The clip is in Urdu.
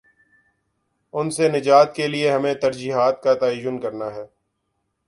ان سے نجات کے لیے ہمیں ترجیحات کا تعین کرنا ہے۔